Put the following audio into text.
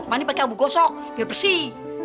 mani pakai abu gosok biar bersih